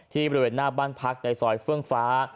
บริเวณหน้าบ้านพักในซอยเฟื่องฟ้า